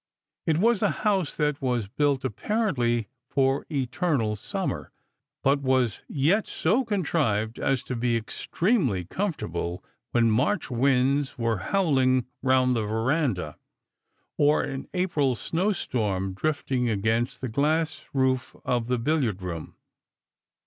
It was a house that was built apparently for eternal summer, but was yet so contrived as to be extremely comfortable when March winds were howling round the verandah, or an April snowstorm drilling against the glass roof of the billiard room.